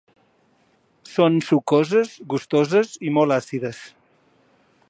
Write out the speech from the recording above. Són sucoses, gustoses i molt àcides.